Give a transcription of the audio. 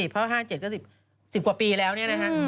เพราะ๕๗ก็๑๐กว่าปีแล้วเนี่ยนะฮะ